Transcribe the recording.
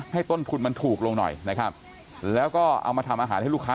ต้นทุนมันถูกลงหน่อยนะครับแล้วก็เอามาทำอาหารให้ลูกค้า